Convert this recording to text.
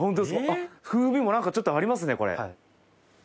風味も何かちょっとありますねこれ。